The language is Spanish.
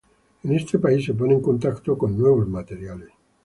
En este país se pone en contacto con nuevos materiales.